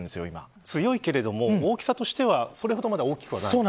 強いけれども、大きさとしてはそれほど大きくはない。